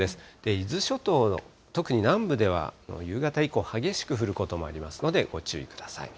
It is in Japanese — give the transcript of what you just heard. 伊豆諸島の特に南部では、夕方以降、激しく降ることもありますので、ご注意ください。